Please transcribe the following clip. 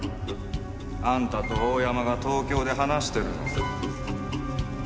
あんたと大山が東京で話してるのを。